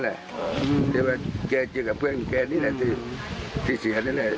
นั่นแหละแกเกลียดกับเพื่อนแกนี่แหละที่เสียนี่แหละ